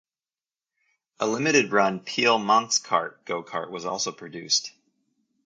A limited-run Peel Manxkart go-kart was also produced.